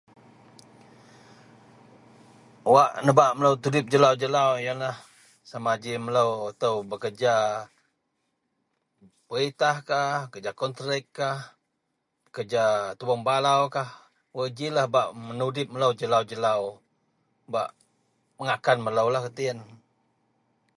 Wak nebak melo tudip jelau-jelau iyenlah sama g melo bekerja peritahkah kerja kontrekkah, kerja tubeang balaukah gui g lah bak menudip melo jelau-jelau bak mengakan melo lah erti iyen.